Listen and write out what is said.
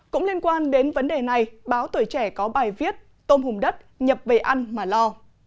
cũng liên quan đến vấn đề này báo tuổi trẻ có bài viết tôm hùm đất nhập về ăn mà lo